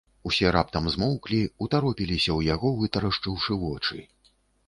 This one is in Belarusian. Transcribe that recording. Усе раптам змоўклі, утаропіліся ў яго, вытрашчыўшы вочы.